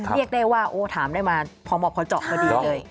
เรียกได้ว่าโอ้ถามได้มาพอเหมาะพอเจาะพอดีเลย